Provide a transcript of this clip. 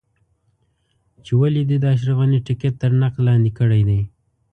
چې ولې دې د اشرف غني ټکټ تر نقد لاندې کړی دی.